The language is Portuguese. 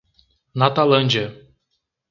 Natalândia